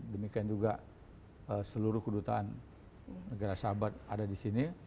demikian juga seluruh kedutaan negara sahabat ada di sini